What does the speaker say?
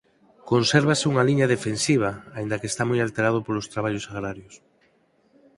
Consérvase unha liña defensiva aínda que está moi alterado por traballos agrarios.